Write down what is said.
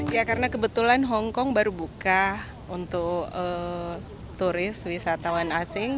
ya karena kebetulan hongkong baru buka untuk turis wisatawan asing